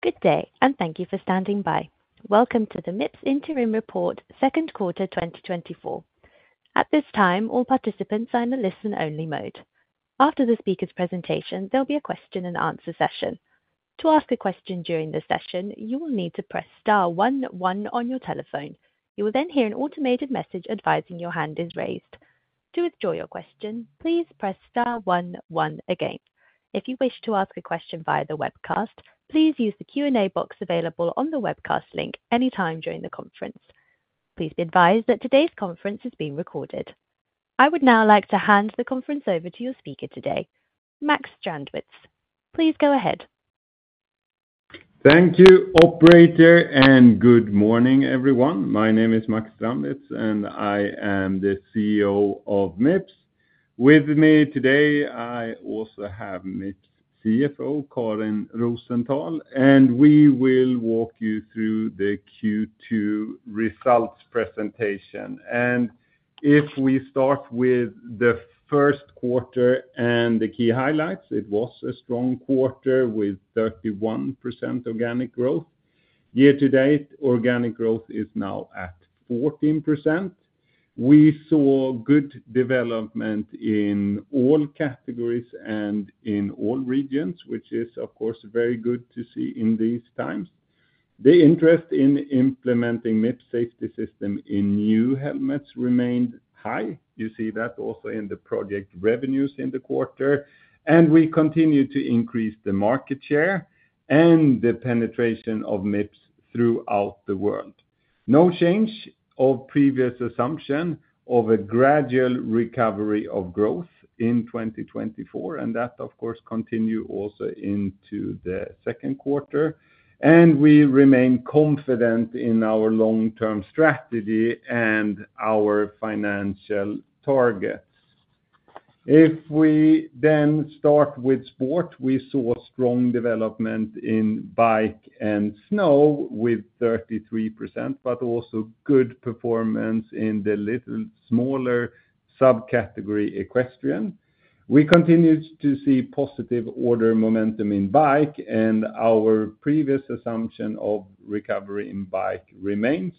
Good day, and thank you for standing by. Welcome to the Mips Interim Report, second quarter, 2024. At this time, all participants are in a listen-only mode. After the speaker's presentation, there'll be a question and answer session. To ask a question during the session, you will need to press star one one on your telephone. You will then hear an automated message advising your hand is raised. To withdraw your question, please press star one one again. If you wish to ask a question via the webcast, please use the Q&A box available on the webcast link anytime during the conference. Please be advised that today's conference is being recorded. I would now like to hand the conference over to your speaker today, Max Strandwitz. Please go ahead. Thank you, operator, and good morning, everyone. My name is Max Strandwitz, and I am the CEO of Mips. With me today, I also have Mips CFO, Karin Rosenthal, and we will walk you through the Q2 results presentation. If we start with the first quarter and the key highlights, it was a strong quarter with 31% organic growth. Year to date, organic growth is now at 14%. We saw good development in all categories and in all regions, which is, of course, very good to see in these times. The interest in implementing Mips safety system in new helmets remained high. You see that also in the project revenues in the quarter, and we continue to increase the market share and the penetration of Mips throughout the world. No change of previous assumption of a gradual recovery of growth in 2024, and that, of course, continue also into the second quarter, and we remain confident in our long-term strategy and our financial targets. If we then start with sport, we saw strong development in bike and snow with 33%, but also good performance in the little smaller subcategory, equestrian. We continued to see positive order momentum in bike, and our previous assumption of recovery in bike remains.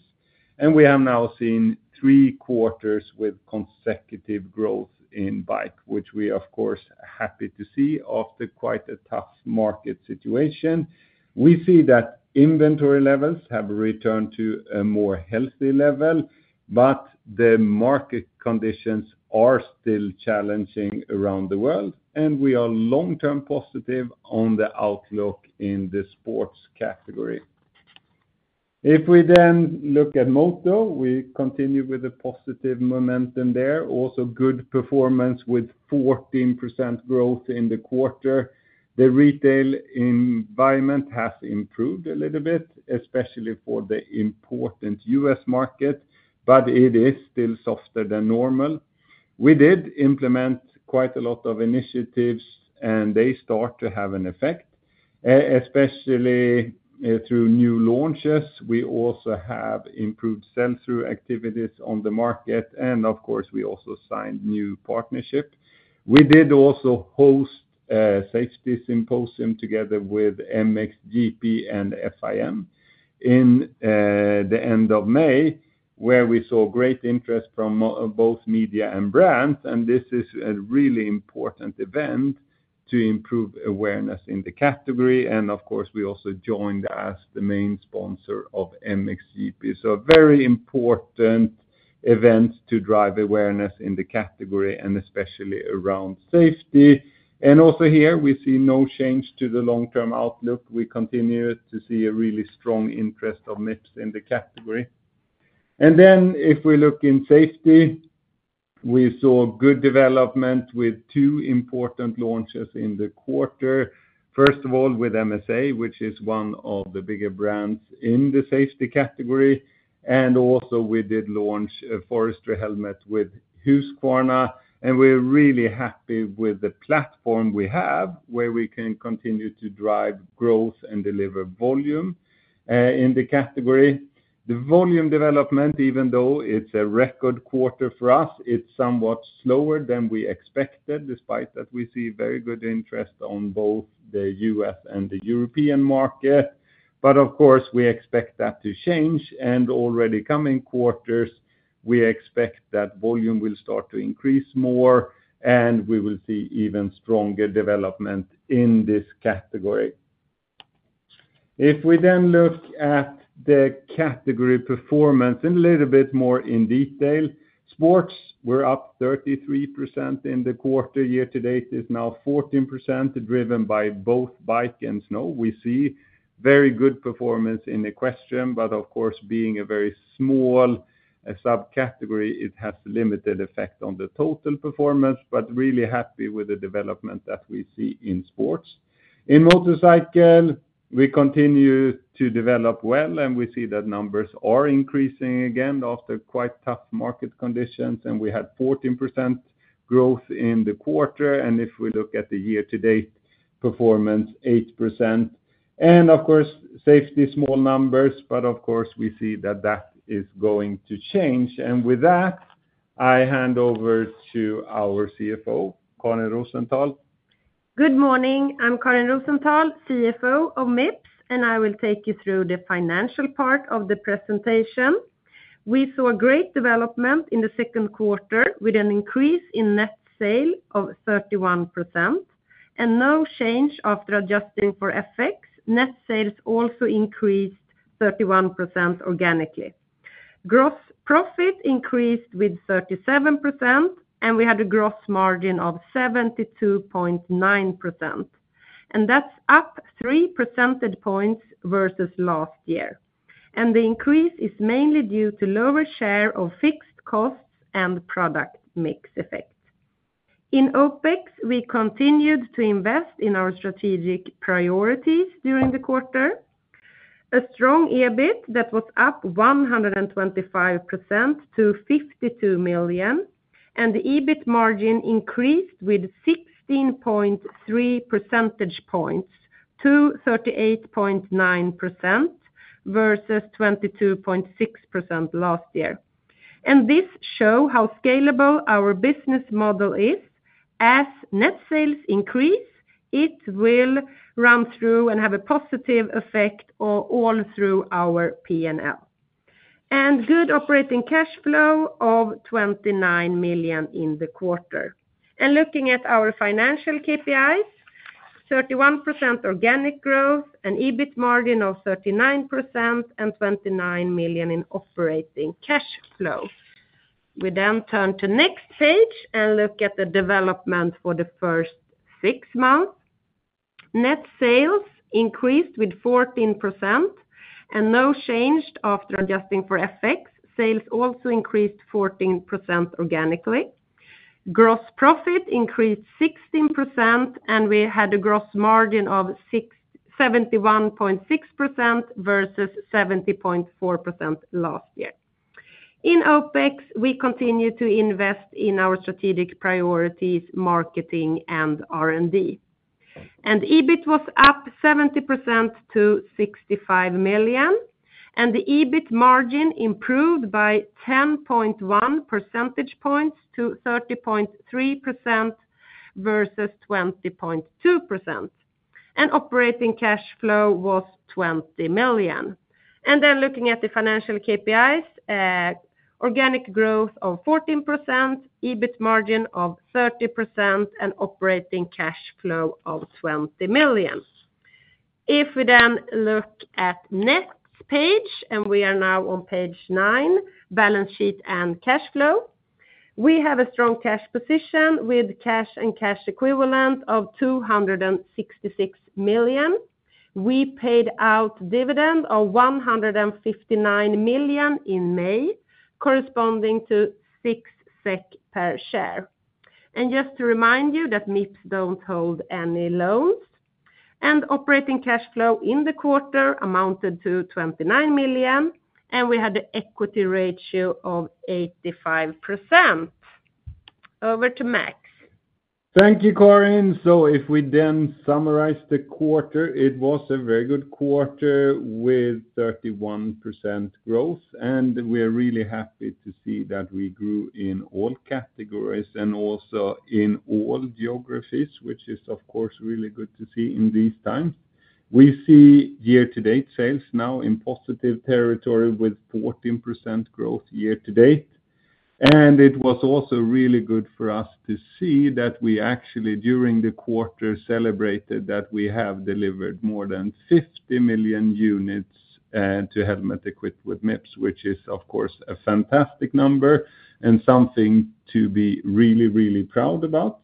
We have now seen three quarters with consecutive growth in bike, which we, of course, are happy to see after quite a tough market situation. We see that inventory levels have returned to a more healthy level, but the market conditions are still challenging around the world, and we are long-term positive on the outlook in the sports category. If we then look at moto, we continue with the positive momentum there. Also good performance with 14% growth in the quarter. The retail environment has improved a little bit, especially for the important U.S. market, but it is still softer than normal. We did implement quite a lot of initiatives, and they start to have an effect, especially through new launches. We also have improved sell-through activities on the market, and of course, we also signed new partnership. We did also host a safety symposium together with MXGP and FIM in the end of May, where we saw great interest from both media and brands, and this is a really important event to improve awareness in the category. And of course, we also joined as the main sponsor of MXGP. So very important events to drive awareness in the category and especially around safety. Also here, we see no change to the long-term outlook. We continue to see a really strong interest of Mips in the category. Then if we look in safety, we saw good development with two important launches in the quarter. First of all, with MSA, which is one of the bigger brands in the safety category, and also we did launch a forestry helmet with Husqvarna, and we're really happy with the platform we have, where we can continue to drive growth and deliver volume, in the category. The volume development, even though it's a record quarter for us, it's somewhat slower than we expected, despite that we see very good interest on both the U.S. and the European market. But of course, we expect that to change, and already coming quarters, we expect that volume will start to increase more, and we will see even stronger development in this category. If we then look at the category performance in a little bit more detail. Sports were up 33% in the quarter. Year-to-date is now 14%, driven by both bike and snow. We see very good performance in equestrian, but of course, being a very small subcategory, it has limited effect on the total performance, but really happy with the development that we see in sports. In motorcycle, we continue to develop well, and we see that numbers are increasing again after quite tough market conditions, and we had 14% growth in the quarter. If we look at the year-to-date performance, 8%. And of course, safety, small numbers, but of course, we see that that is going to change. And with that, I hand over to our CFO, Karin Rosenthal. Good morning. I'm Karin Rosenthal, CFO of Mips, and I will take you through the financial part of the presentation. We saw a great development in the second quarter with an increase in net sales of 31% and no change after adjusting for FX. Net sales also increased 31% organically. Gross profit increased with 37%, and we had a gross margin of 72.9%, and that's up three percentage points versus last year. The increase is mainly due to lower share of fixed costs and product mix effects. In OpEx, we continued to invest in our strategic priorities during the quarter. A strong EBIT that was up 125% to 52 million, and the EBIT margin increased with 16.3 percentage points to 38.9% versus 22.6% last year. This shows how scalable our business model is. As net sales increase, it will run through and have a positive effect all, all through our P&L. Good operating cash flow of 29 million in the quarter. Looking at our financial KPIs, 31% organic growth, an EBIT margin of 39%, and 29 million in operating cash flow. We then turn to the next page and look at the development for the first six months. Net sales increased with 14% and no change after adjusting for FX. Sales also increased 14% organically. Gross profit increased 16%, and we had a gross margin of 67.16% versus 70.4% last year. In OpEx, we continued to invest in our strategic priorities, marketing, and R&D. EBIT was up 70% to 65 million, and the EBIT margin improved by 10.1 percentage points to 30.3% versus 20.2%, and operating cash flow was 20 million. Then looking at the financial KPIs, organic growth of 14%, EBIT margin of 30%, and operating cash flow of 20 million. If we then look at next page, and we are now on page 9, balance sheet and cash flow. We have a strong cash position with cash and cash equivalent of 266 million. We paid out dividend of 159 million in May, corresponding to 6 SEK per share. And just to remind you that Mips don't hold any loans, and operating cash flow in the quarter amounted to 29 million, and we had an equity ratio of 85%. Over to Max. Thank you, Karin. So if we then summarize the quarter, it was a very good quarter with 31% growth, and we are really happy to see that we grew in all categories and also in all geographies, which is, of course, really good to see in these times. We see year-to-date sales now in positive territory with 14% growth year-to-date. And it was also really good for us to see that we actually, during the quarter, celebrated that we have delivered more than 50 million units to helmet equipped with Mips, which is, of course, a fantastic number and something to be really, really proud about.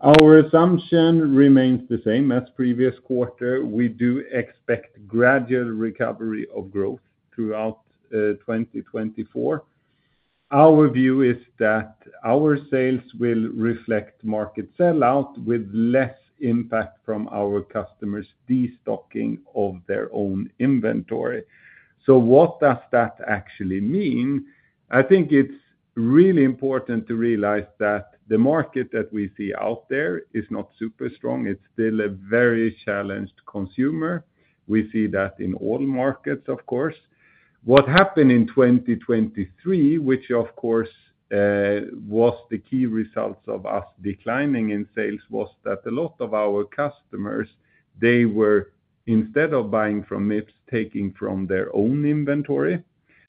Our assumption remains the same as previous quarter. We do expect gradual recovery of growth throughout 2024. Our view is that our sales will reflect market sell-out with less impact from our customers destocking of their own inventory. So what does that actually mean? I think it's really important to realize that the market that we see out there is not super strong. It's still a very challenged consumer. We see that in all markets, of course. What happened in 2023, which, of course, was the key results of us declining in sales, was that a lot of our customers, they were, instead of buying from Mips, taking from their own inventory.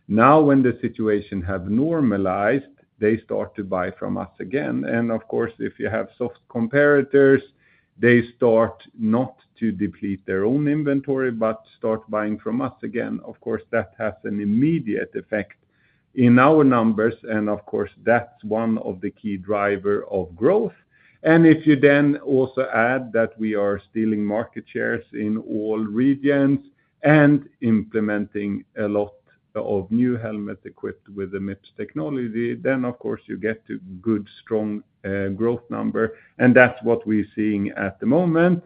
Now, when the situation have normalized, they start to buy from us again. And of course, if you have soft comparators, they start not to deplete their own inventory, but start buying from us again. Of course, that has an immediate effect in our numbers, and of course, that's one of the key driver of growth. And if you then also add that we are stealing market shares in all regions and implementing a lot of new helmet equipped with the Mips technology, then, of course, you get to good, strong, growth number, and that's what we're seeing at the moment.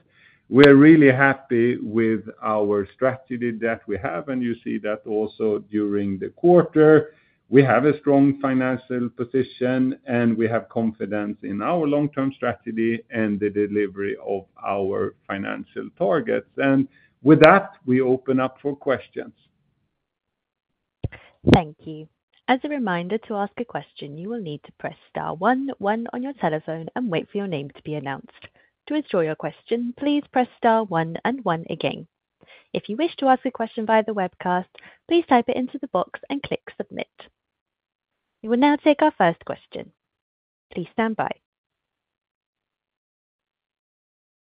We're really happy with our strategy that we have, and you see that also during the quarter. We have a strong financial position, and we have confidence in our long-term strategy and the delivery of our financial targets. And with that, we open up for questions. Thank you. As a reminder, to ask a question, you will need to press star one one on your telephone and wait for your name to be announced. To withdraw your question, please press star one and one again. If you wish to ask a question via the webcast, please type it into the box and click Submit. We will now take our first question. Please stand by.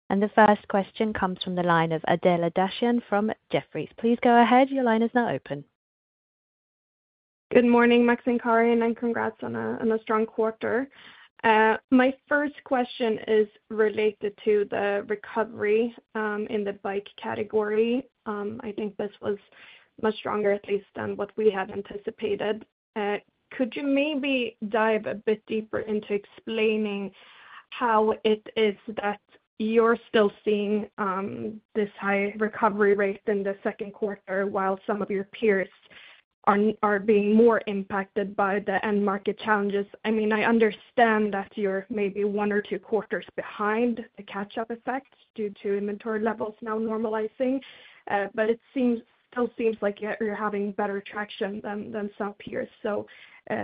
And the first question comes from the line of Adela Dashian from Jefferies. Please go ahead. Your line is now open. Good morning, Max and Karin, and congrats on a strong quarter. My first question is related to the recovery in the bike category. I think this was much stronger, at least than what we had anticipated. Could you maybe dive a bit deeper into explaining how it is that you're still seeing this high recovery rate in the second quarter, while some of your peers are being more impacted by the end market challenges? I mean, I understand that you're maybe one or two quarters behind the catch-up effect due to inventory levels now normalizing, but it still seems like you're having better traction than some peers.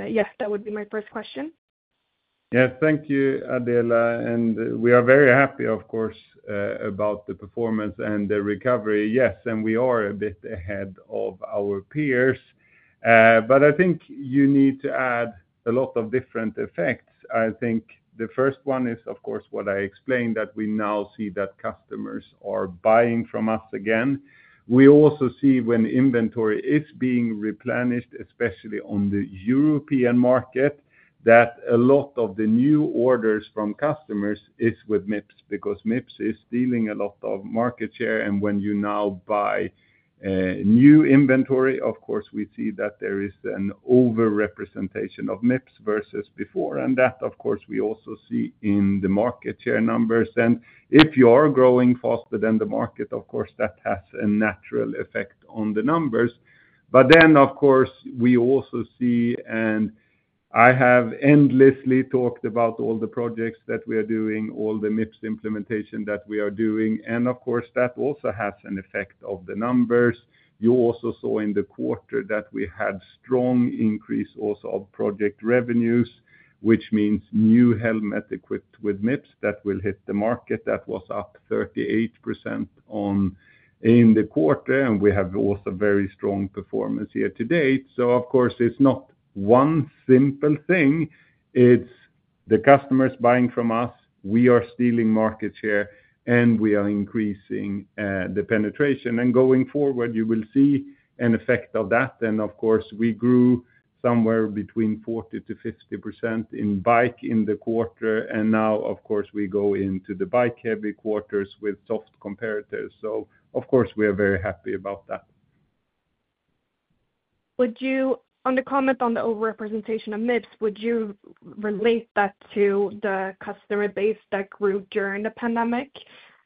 Yes, that would be my first question. Yes, thank you, Adela, and we are very happy, of course, about the performance and the recovery. Yes, and we are a bit ahead of our peers. But I think you need to add a lot of different effects. I think the first one is, of course, what I explained, that we now see that customers are buying from us again. We also see when inventory is being replenished, especially on the European market, that a lot of the new orders from customers is with MIPS, because Mips is stealing a lot of market share. And when you now buy new inventory, of course, we see that there is an overrepresentation of Mips versus before. And that, of course, we also see in the market share numbers. And if you are growing faster than the market, of course, that has a natural effect on the numbers. But then, of course, we also see, and I have endlessly talked about all the projects that we are doing, all the Mips implementation that we are doing, and of course, that also has an effect of the numbers. You also saw in the quarter that we had strong increase also of project revenues, which means new helmet equipped with Mips that will hit the market. That was up 38% on, in the quarter, and we have also very strong performance here to date. So of course, it's not one simple thing. It's the customers buying from us. We are stealing market share, and we are increasing the penetration. And going forward, you will see an effect of that. Then, of course, we grew somewhere between 40%-50% in bike in the quarter, and now, of course, we go into the bike-heavy quarters with soft comparators. Of course, we are very happy about that. Would you on the comment on the overrepresentation of Mips, would you relate that to the customer base that grew during the pandemic?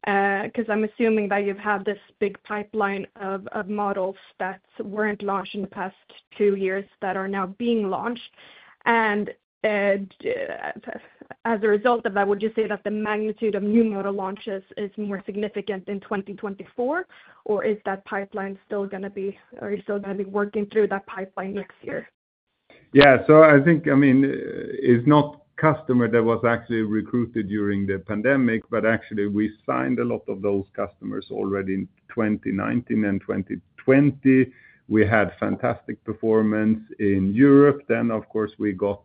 Because I'm assuming that you've had this big pipeline of models that weren't launched in the past two years that are now being launched. And as a result of that, would you say that the magnitude of new model launches is more significant in 2024, or is that pipeline still gonna be, are you still gonna be working through that pipeline next year? Yeah. So I think, I mean, it's not customer that was actually recruited during the pandemic, but actually we signed a lot of those customers already in 2019 and 2020. We had fantastic performance in Europe. Then, of course, we got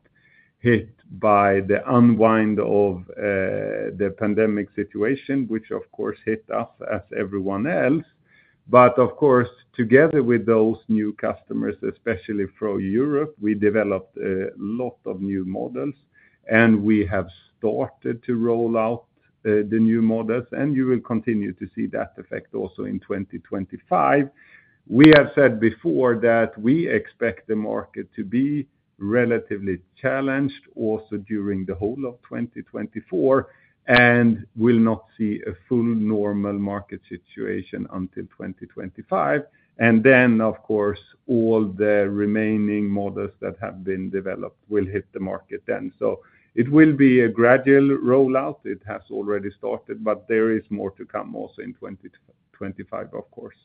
hit by the unwind of the pandemic situation, which, of course, hit us as everyone else. But of course, together with those new customers, especially from Europe, we developed a lot of new models, and we have started to roll out the new models, and you will continue to see that effect also in 2025. We have said before that we expect the market to be relatively challenged also during the whole of 2024, and will not see a full normal market situation until 2025. And then, of course, all the remaining models that have been developed will hit the market then. It will be a gradual rollout. It has already started, but there is more to come also in 2025, of course.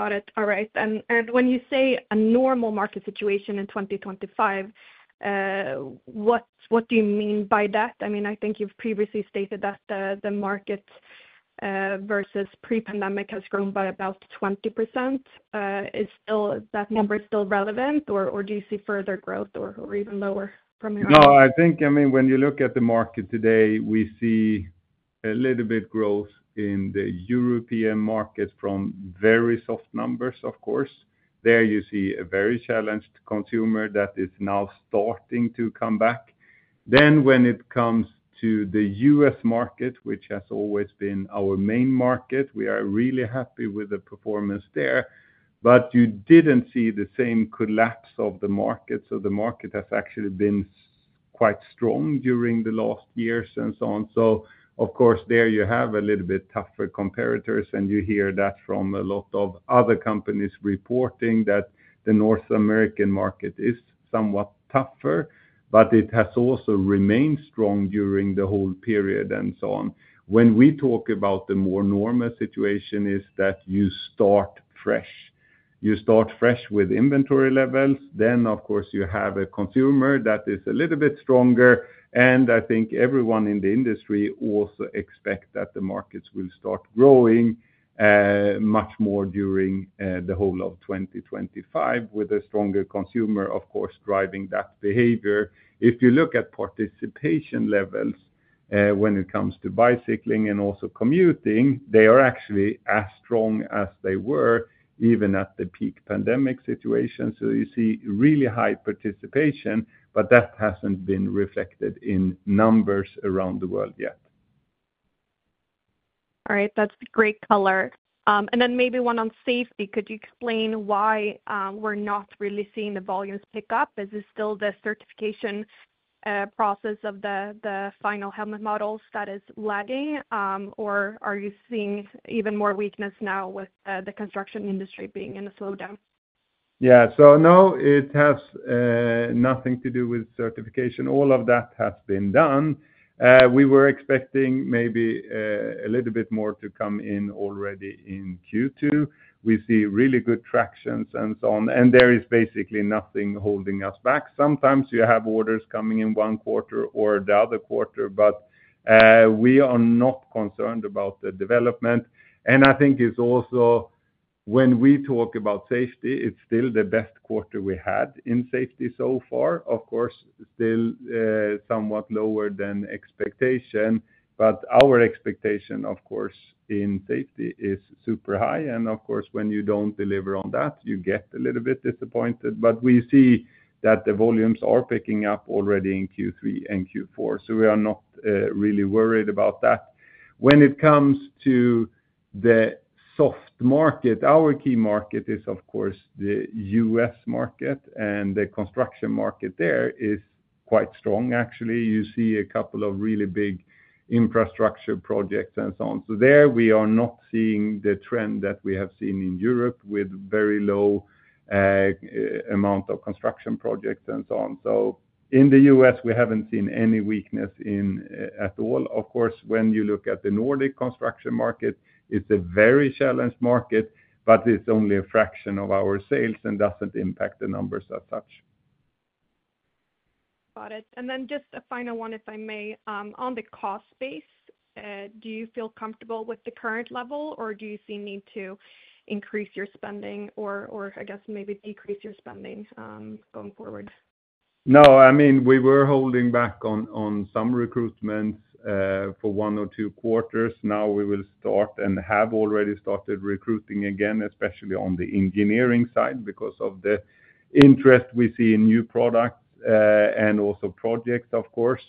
Got it. All right. And when you say a normal market situation in 2025, what do you mean by that? I mean, I think you've previously stated that the market versus pre-pandemic has grown by about 20%. Is that number still relevant, or do you see further growth or even lower from your end? No, I think, I mean, when you look at the market today, we see a little bit growth in the European market from very soft numbers, of course. There you see a very challenged consumer that is now starting to come back. Then when it comes to the U.S. market, which has always been our main market, we are really happy with the performance there, but you didn't see the same collapse of the market. So the market has actually been quite strong during the last years and so on. So of course, there you have a little bit tougher comparators, and you hear that from a lot of other companies reporting that the North American market is somewhat tougher, but it has also remained strong during the whole period and so on. When we talk about the more normal situation is that you start fresh. You start fresh with inventory levels, then of course, you have a consumer that is a little bit stronger. And I think everyone in the industry also expect that the markets will start growing much more during the whole of 2025, with a stronger consumer, of course, driving that behavior. If you look at participation levels, when it comes to bicycling and also commuting, they are actually as strong as they were even at the peak pandemic situation. So you see really high participation, but that hasn't been reflected in numbers around the world yet. All right, that's great color. And then maybe one on safety. Could you explain why we're not really seeing the volumes pick up? Is this still the certification process of the final helmet models that is lagging, or are you seeing even more weakness now with the construction industry being in a slowdown? Yeah. So no, it has nothing to do with certification. All of that has been done. We were expecting maybe a little bit more to come in already in Q2. We see really good traction and so on, and there is basically nothing holding us back. Sometimes you have orders coming in one quarter or the other quarter, but we are not concerned about the development. And I think it's also when we talk about safety, it's still the best quarter we had in safety so far. Of course, still somewhat lower than expectation, but our expectation, of course, in safety is super high. And of course, when you don't deliver on that, you get a little bit disappointed. But we see that the volumes are picking up already in Q3 and Q4, so we are not really worried about that. When it comes to the soft market, our key market is, of course, the U.S. market, and the construction market there is quite strong, actually. You see a couple of really big infrastructure projects and so on. So there we are not seeing the trend that we have seen in Europe, with very low amount of construction projects and so on. So in the U.S., we haven't seen any weakness in at all. Of course, when you look at the Nordic construction market, it's a very challenged market, but it's only a fraction of our sales and doesn't impact the numbers as such. Got it. And then just a final one, if I may. On the cost base, do you feel comfortable with the current level, or do you see need to increase your spending or, I guess maybe decrease your spending, going forward? No, I mean, we were holding back on, on some recruitment for one or two quarters. Now, we will start and have already started recruiting again, especially on the engineering side, because of the interest we see in new products and also projects, of course.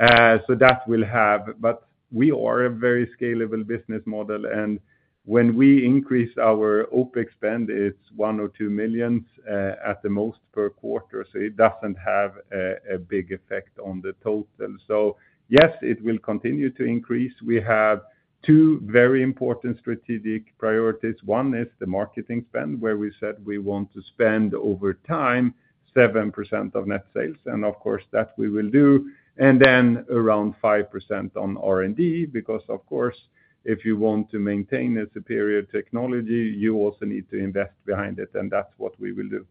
So that will have. But we are a very scalable business model, and when we increase our OpEx spend, it's 1 million or 2 million at the most per quarter, so it doesn't have a big effect on the total. So yes, it will continue to increase. We have two very important strategic priorities. One is the marketing spend, where we said we want to spend over time, 7% of net sales, and of course, that we will do, and then around 5% on R&D, because of course, if you want to maintain a superior technology, you also need to invest behind it, and that's what we will do.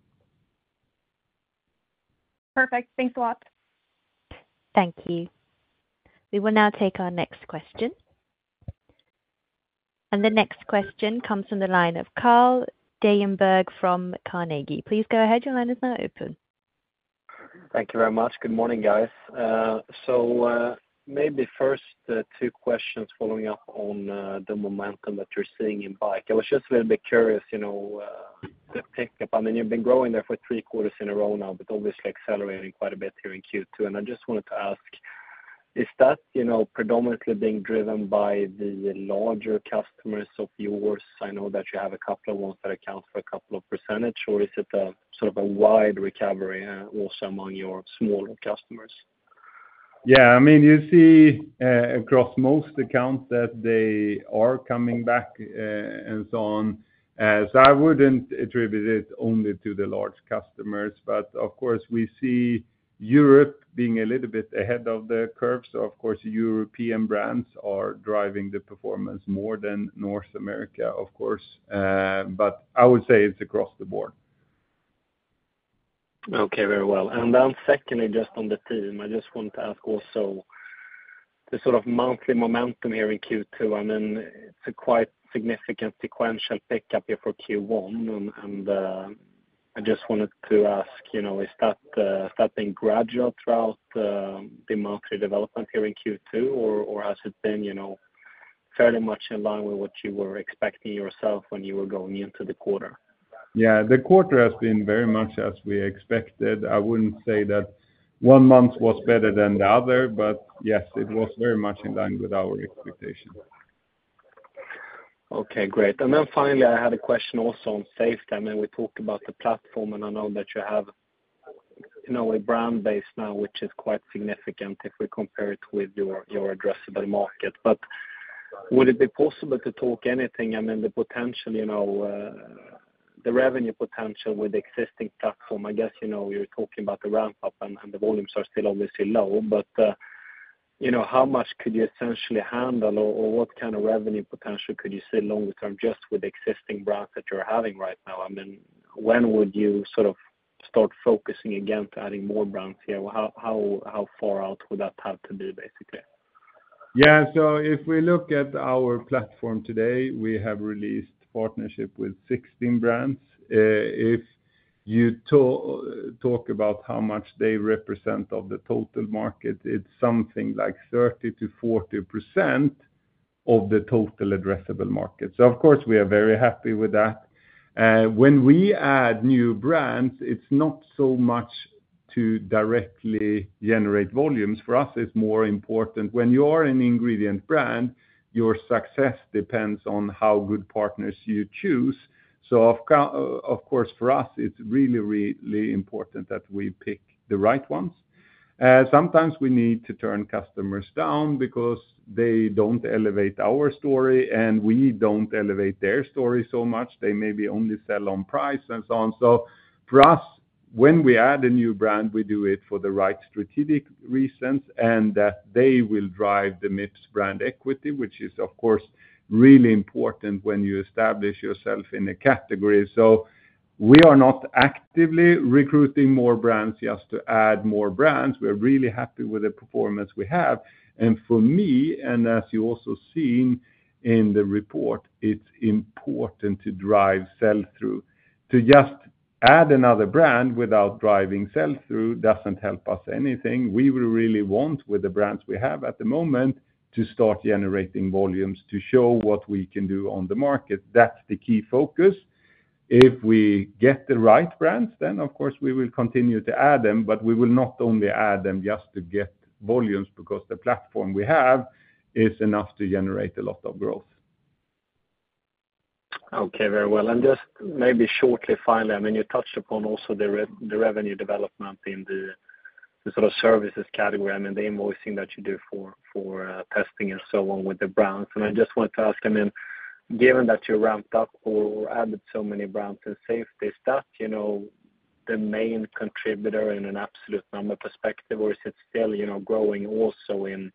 Perfect. Thanks a lot. Thank you. We will now take our next question. The next question comes from the line of Carl Deijenberg from Carnegie. Please go ahead. Your line is now open. Thank you very much. Good morning, guys. So, maybe first, two questions following up on the momentum that you're seeing in bike. I was just a little bit curious, you know, the pickup, I mean, you've been growing there for three quarters in a row now, but obviously accelerating quite a bit here in Q2. And I just wanted to ask, is that, you know, predominantly being driven by the larger customers of yours? I know that you have a couple of ones that account for a couple of percentage, or is it a sort of a wide recovery, also among your smaller customers? Yeah, I mean, you see, across most accounts that they are coming back, and so on. So I wouldn't attribute it only to the large customers. But of course, we see Europe being a little bit ahead of the curve, so of course, European brands are driving the performance more than North America, of course. But I would say it's across the board. Okay, very well. And then secondly, just on the team, I just want to ask also the sort of monthly momentum here in Q2. I mean, it's a quite significant sequential pickup here for Q1. And I just wanted to ask, you know, is that has that been gradual throughout the monthly development here in Q2, or has it been, you know, fairly much in line with what you were expecting yourself when you were going into the quarter? Yeah, the quarter has been very much as we expected. I wouldn't say that one month was better than the other, but yes, it was very much in line with our expectations. Okay, great. And then finally, I had a question also on safety. I mean, we talked about the platform, and I know that you have, you know, a brand base now, which is quite significant if we compare it with your, your addressable market. But would it be possible to talk anything, I mean, the potential, you know, the revenue potential with the existing platform? I guess, you know, you're talking about the ramp-up, and, and the volumes are still obviously low, but. You know, how much could you essentially handle or, or what kind of revenue potential could you see longer term, just with existing brands that you're having right now? I mean, when would you sort of start focusing again to adding more brands here? How, how, how far out would that have to be, basically? Yeah. So if we look at our platform today, we have released partnership with 16 brands. If you talk about how much they represent of the total market, it's something like 30%-40% of the total addressable market. So of course, we are very happy with that. When we add new brands, it's not so much to directly generate volumes. For us, it's more important when you are an ingredient brand, your success depends on how good partners you choose. So of course, for us, it's really, really important that we pick the right ones. Sometimes we need to turn customers down because they don't elevate our story, and we don't elevate their story so much. They maybe only sell on price and so on. For us, when we add a new brand, we do it for the right strategic reasons, and that they will drive the Mips brand equity, which is, of course, really important when you establish yourself in a category. We are not actively recruiting more brands just to add more brands. We're really happy with the performance we have. For me, and as you also seen in the report, it's important to drive sell-through. To just add another brand without driving sell-through doesn't help us anything. We will really want, with the brands we have at the moment, to start generating volumes to show what we can do on the market. That's the key focus. If we get the right brands, then, of course, we will continue to add them, but we will not only add them just to get volumes, because the platform we have is enough to generate a lot of growth. Okay, very well. Just maybe shortly, finally, I mean, you touched upon also the revenue development in the sort of services category, I mean, the invoicing that you do for testing and so on with the brands. I just wanted to ask, I mean, given that you ramped up or added so many brands in safety, is that, you know, the main contributor in an absolute number perspective, or is it still, you know, growing also in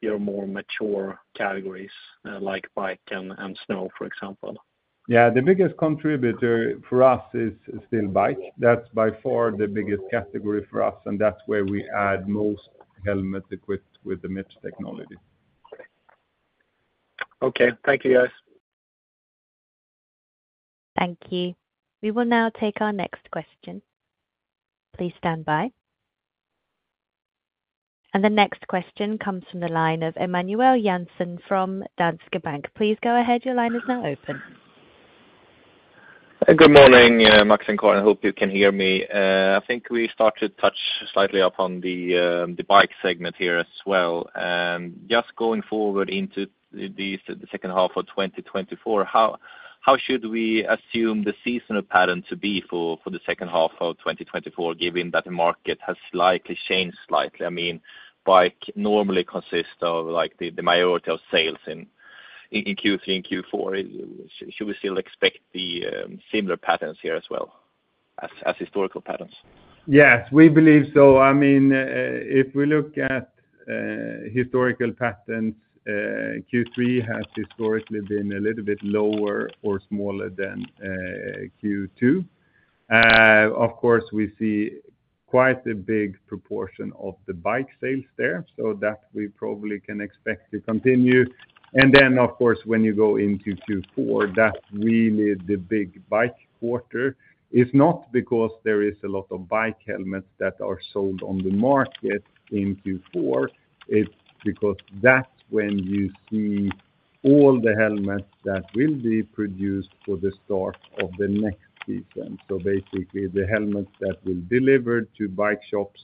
your more mature categories, like bike and snow, for example? Yeah, the biggest contributor for us is still bike. That's by far the biggest category for us, and that's where we add most helmets equipped with the Mips technology. Okay. Thank you, guys. Thank you. We will now take our next question. Please stand by. The next question comes from the line of Emanuel Jansson from Danske Bank. Please go ahead. Your line is now open. Good morning, Max and Karin, hope you can hear me. I think we start to touch slightly upon the bike segment here as well. Just going forward into the second half of 2024, how should we assume the seasonal pattern to be for the second half of 2024, given that the market has slightly changed slightly? I mean, bike normally consist of, like, the majority of sales in Q3 and Q4. Should we still expect the similar patterns here as well as historical patterns? Yes, we believe so. I mean, if we look at, historical patterns, Q3 has historically been a little bit lower or smaller than, Q2. Of course, we see quite a big proportion of the bike sales there, so that we probably can expect to continue. And then, of course, when you go into Q4, that's really the big bike quarter. It's not because there is a lot of bike helmets that are sold on the market in Q4, it's because that's when you see all the helmets that will be produced for the start of the next season. So basically, the helmets that will deliver to bike shops,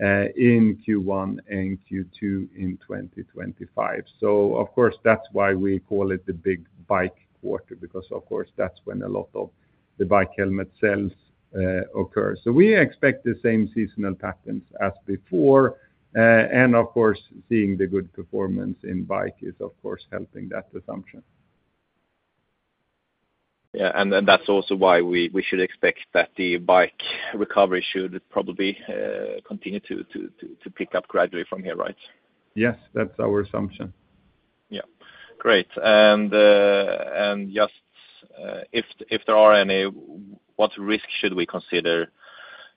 in Q1 and Q2 in 2025. So of course, that's why we call it the big bike quarter, because, of course, that's when a lot of the bike helmet sales, occur. So we expect the same seasonal patterns as before, and of course, seeing the good performance in bikes is, of course, helping that assumption. Yeah, and then that's also why we should expect that the bike recovery should probably continue to pick up gradually from here, right? Yes, that's our assumption. Yeah. Great. And just, if there are any, what risk should we consider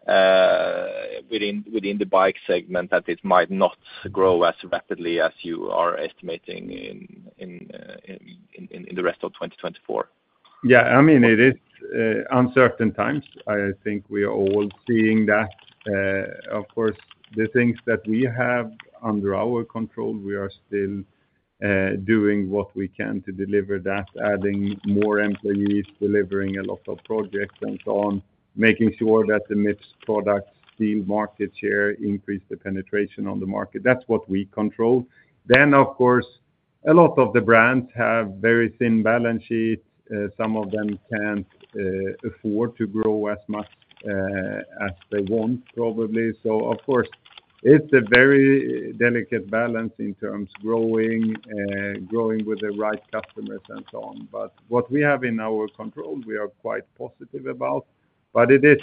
within the bike segment, that it might not grow as rapidly as you are estimating in the rest of 2024? Yeah, I mean, it is uncertain times. I think we are all seeing that. Of course, the things that we have under our control, we are still doing what we can to deliver that, adding more employees, delivering a lot of projects and so on, making sure that the Mips products see market share, increase the penetration on the market. That's what we control. Then, of course, a lot of the brands have very thin balance sheets. Some of them can't afford to grow as much as they want, probably. So of course, it's a very delicate balance in terms of growing, growing with the right customers and so on. But what we have in our control, we are quite positive about, but it is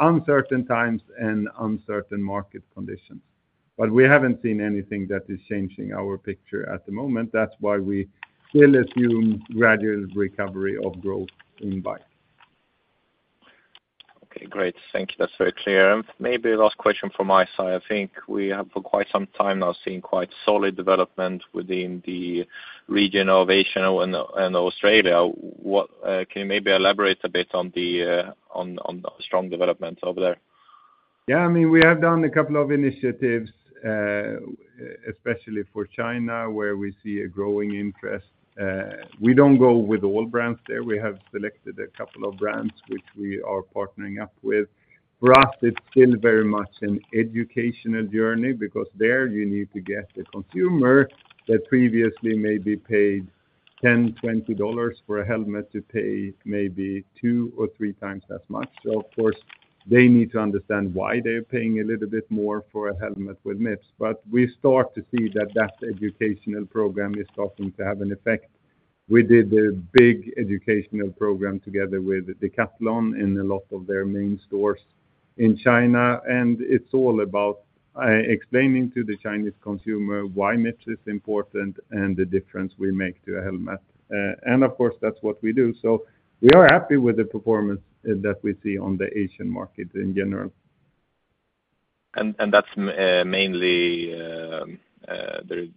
uncertain times and uncertain market conditions. But we haven't seen anything that is changing our picture at the moment. That's why we still assume gradual recovery of growth in bike. Okay, great. Thank you. That's very clear. Maybe last question from my side. I think we have, for quite some time now, seen quite solid development within the region of Asia and Australia. What can you maybe elaborate a bit on the strong development over there? Yeah, I mean, we have done a couple of initiatives, especially for China, where we see a growing interest. We don't go with all brands there. We have selected a couple of brands which we are partnering up with. For us, it's still very much an educational journey because there you need to get the consumer that previously maybe paid $10-$20 for a helmet to pay maybe two or three times as much. So of course, they need to understand why they're paying a little bit more for a helmet with Mips. But we start to see that that educational program is starting to have an effect. We did a big educational program together with Decathlon in a lot of their main stores in China, and it's all about explaining to the Chinese consumer why Mips is important and the difference we make to a helmet. And of course, that's what we do. So we are happy with the performance that we see on the Asian market in general. That's mainly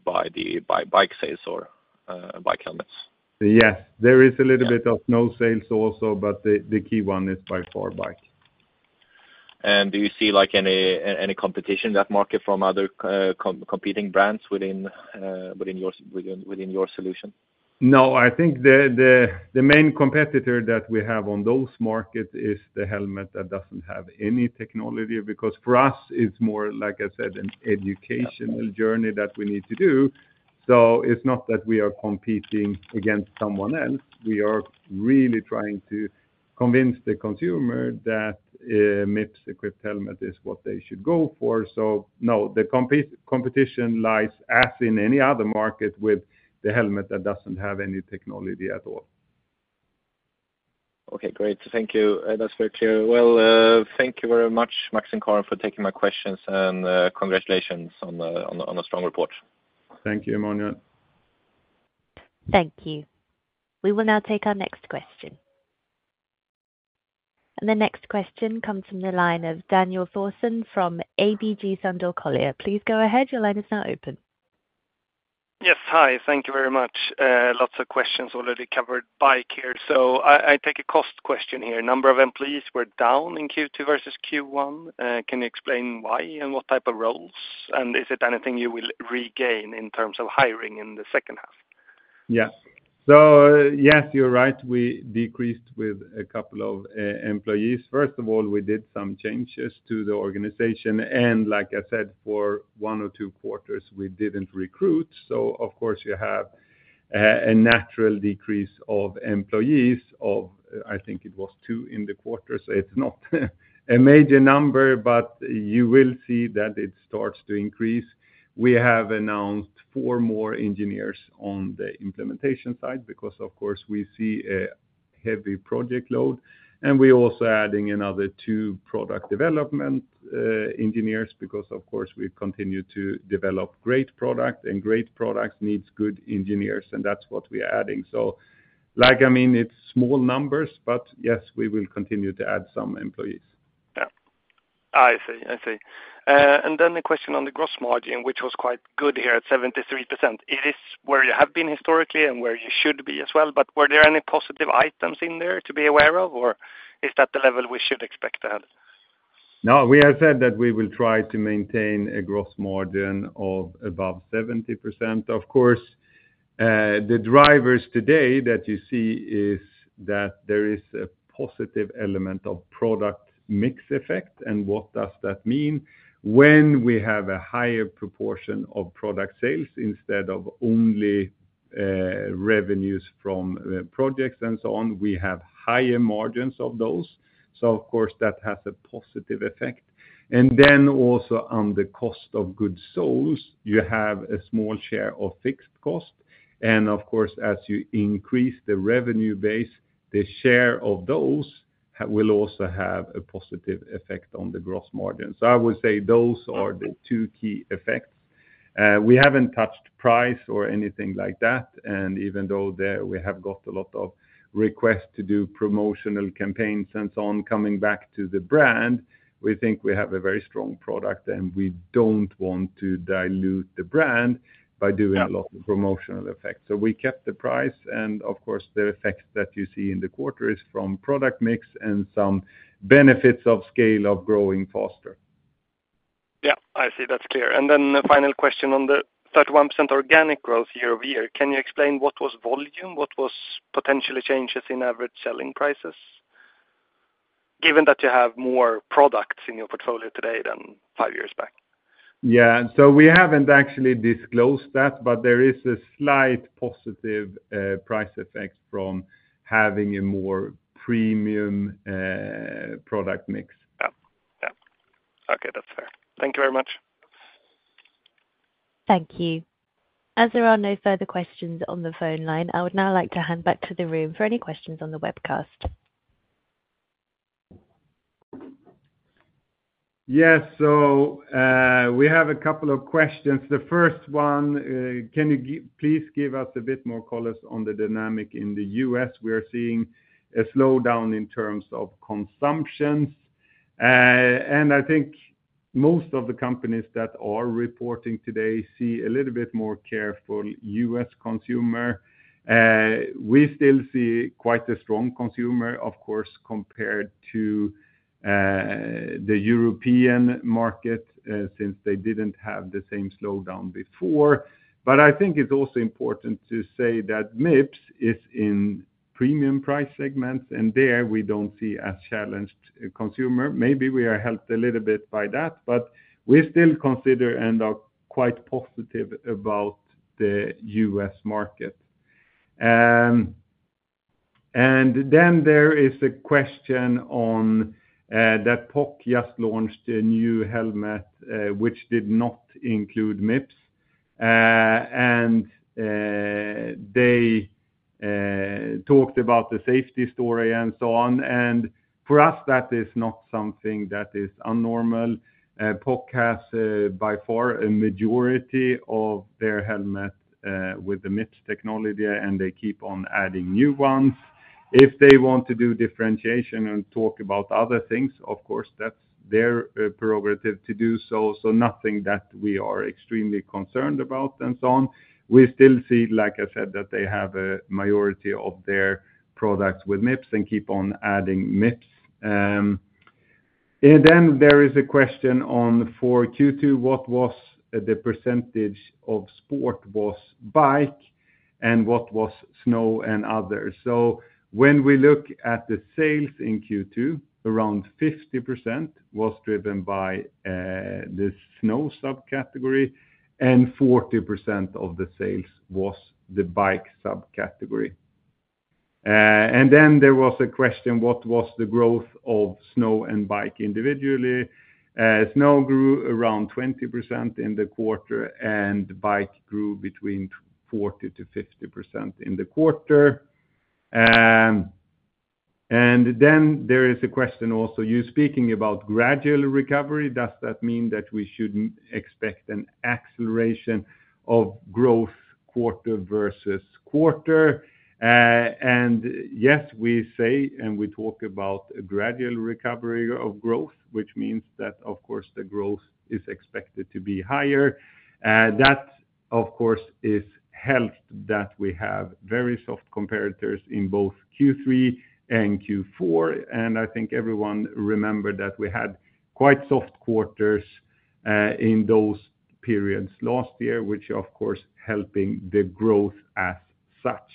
by bike sales or bike helmets? Yes. There is a little bit of snow sales also, but the key one is by far bike. Do you see, like, any competition in that market from other competing brands within your solution? No, I think the main competitor that we have on those markets is the helmet that doesn't have any technology, because for us, it's more, like I said, an educational journey that we need to do. So it's not that we are competing against someone else. We are really trying to convince the consumer that Mips-equipped helmet is what they should go for. So no, the competition lies, as in any other market, with the helmet that doesn't have any technology at all. Okay, great. Thank you. That's very clear. Well, thank you very much, Max and Karin, for taking my questions, and congratulations on the strong report. Thank you, Emanuel. Thank you. We will now take our next question. The next question comes from the line of Daniel Thorsson from ABG Sundal Collier. Please go ahead. Your line is now open. Yes, hi. Thank you very much. Lots of questions already covered bike here. So I take a cost question here. Number of employees were down in Q2 versus Q1. Can you explain why and what type of roles, and is it anything you will regain in terms of hiring in the second half? Yeah. So yes, you're right, we decreased with a couple of employees. First of all, we did some changes to the organization, and like I said, for one or two quarters, we didn't recruit. So of course, you have a natural decrease of employees of, I think it was two in the quarter. So it's not a major number, but you will see that it starts to increase. We have announced four more engineers on the implementation side because, of course, we see a heavy project load, and we're also adding another two product development engineers because, of course, we continue to develop great product, and great products needs good engineers, and that's what we are adding. So like, I mean, it's small numbers, but yes, we will continue to add some employees. Yeah. I see. I see. And then the question on the gross margin, which was quite good here at 73%. It is where you have been historically and where you should be as well, but were there any positive items in there to be aware of, or is that the level we should expect to have? No, we have said that we will try to maintain a gross margin of above 70%. Of course, the drivers today that you see is that there is a positive element of product mix effect. And what does that mean? When we have a higher proportion of product sales instead of only, revenues from, projects and so on, we have higher margins of those, so of course, that has a positive effect. And then also on the cost of goods sold, you have a small share of fixed cost, and of course, as you increase the revenue base, the share of those will also have a positive effect on the gross margin. So I would say those are the two key effects. We haven't touched price or anything like that, and even though there we have got a lot of requests to do promotional campaigns and so on, coming back to the brand, we think we have a very strong product, and we don't want to dilute the brand by doing a lot of promotional effects. So we kept the price, and of course, the effect that you see in the quarter is from product mix and some benefits of scale of growing faster. Yeah, I see. That's clear. And then the final question on the 31% organic growth year-over-year. Can you explain what was volume, what was potentially changes in average selling prices, given that you have more products in your portfolio today than five years back? Yeah. So we haven't actually disclosed that, but there is a slight positive price effect from having a more premium product mix. Yeah. Okay, that's fair. Thank you very much. Thank you. As there are no further questions on the phone line, I would now like to hand back to the room for any questions on the webcast. Yes, so, we have a couple of questions. The first one, can you please give us a bit more color on the dynamics in the U.S.? We are seeing a slowdown in terms of consumption. And I think most of the companies that are reporting today see a little bit more careful U.S. consumer. We still see quite a strong consumer, of course, compared to the European market, since they didn't have the same slowdown before. But I think it's also important to say that Mips is in premium price segments, and there we don't see a challenged consumer. Maybe we are helped a little bit by that, but we still consider and are quite positive about the U.S. market. And then there is a question on that POC just launched a new helmet, which did not include Mips. And they talked about the safety story and so on, and for us, that is not something that is abnormal. POC has by far a majority of their helmets with the Mips technology, and they keep on adding new ones. If they want to do differentiation and talk about other things, of course, that's their prerogative to do so. So nothing that we are extremely concerned about and so on. We still see, like I said, that they have a majority of their products with Mips and keep on adding Mips. And then there is a question on for Q2, what was the percentage of sport was bike, and what was snow and others? So when we look at the sales in Q2, around 50% was driven by the snow subcategory, and 40% of the sales was the bike subcategory. And then there was a question. What was the growth of snow and bike individually? Snow grew around 20% in the quarter, and bike grew between 40%-50% in the quarter. And then there is a question also, you're speaking about gradual recovery, does that mean that we shouldn't expect an acceleration of growth quarter versus quarter? And yes, we say, and we talk about a gradual recovery of growth, which means that, of course, the growth is expected to be higher. That, of course, is helped that we have very soft comparators in both Q3 and Q4, and I think everyone remembered that we had quite soft quarters in those periods last year, which of course, helping the growth as such.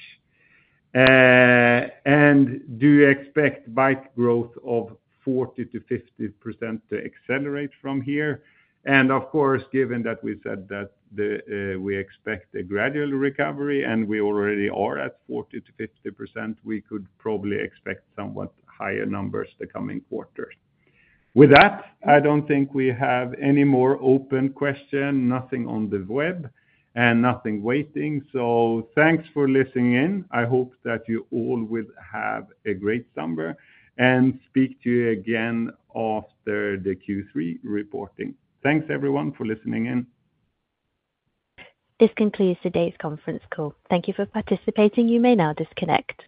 And do you expect bike growth of 40%-50% to accelerate from here? And of course, given that we said that the, we expect a gradual recovery and we already are at 40%-50%, we could probably expect somewhat higher numbers the coming quarters. With that, I don't think we have any more open question. Nothing on the web and nothing waiting. So thanks for listening in. I hope that you all will have a great summer, and speak to you again after the Q3 reporting. Thanks, everyone, for listening in. This concludes today's conference call. Thank you for participating. You may now disconnect.